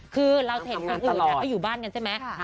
คือเราเห็นคนอื่นอ่ะทำงานทำงานตลอดเอาอยู่บ้านกันใช่ไหมใช่